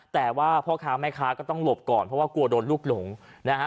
แต่ว่าพ่อค้าแม่ค้าก็ต้องหลบก่อนเพราะว่ากลัวโดนลูกหลงนะฮะ